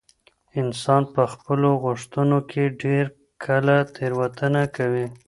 انسان په خپلو غوښتنو کي ډیر کله تېروتنه کوي.